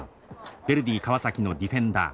ヴェルディ川崎のディフェンダー。